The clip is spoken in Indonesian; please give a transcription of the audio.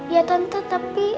ya tante tapi